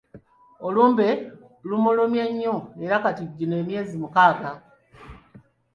Olumbe lumulumye nnyo era kati gino emyezi mukaaga.